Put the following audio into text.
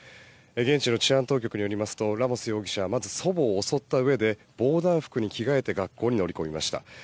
現地の治安当局によりますとラモス容疑者はまず祖母を襲ったうえで防弾服に着替えて教室に乗り込みました。